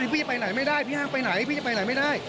พี่ไปไหนไม่ได้พี่ห้ามไปไหนพี่จะไปไหนไม่ได้